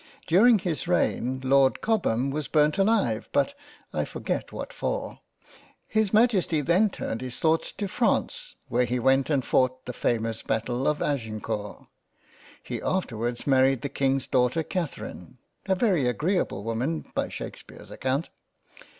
During his reign, Lord Cobham was burnt alive, but I forget what for. His Majesty then turned his thoughts to France, where he went and fought the famous Battle of Agin court. He afterwards married the King's daughter Catherine, a very agreable woman by Shakespear's account.